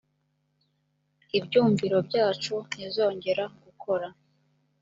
ibyumviro byacu ntizongera gukora